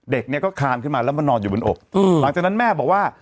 เด็กเนี่ยก็คานขึ้นมาแล้วมานอนอยู่บนอกหลังจากนั้นแม่บอกว่า